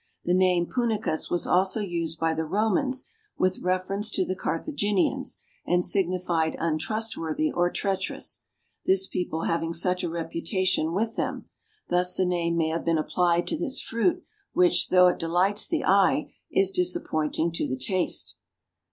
The name Punicus was also used by the Romans with reference to the Carthaginians, and signified untrustworthy or treacherous, this people having such a reputation with them; thus the name may have been applied to this fruit which, though it delights the eye, is disappointing to the taste.